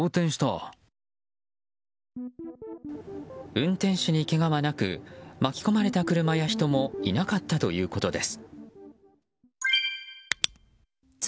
運転手にけがはなく巻き込まれた車や人もいなかったということです。